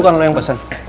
bukan lu yang pesen